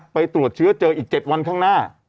ตรวจเชื้อเจออีก๗วันข้างหน้า